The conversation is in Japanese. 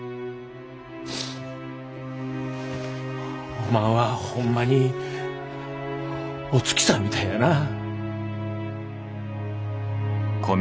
おまんはほんまにお月さんみたいやなあ。